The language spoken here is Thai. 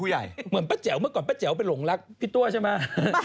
เหมือนป้าแจ๋วเมื่อก่อนป้าแจ๋วไปหลงรักพี่ตัวใช่ไหม